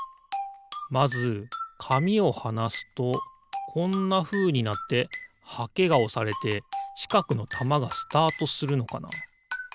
まずかみをはなすとこんなふうになってはけがおされてちかくのたまがスタートするのかな？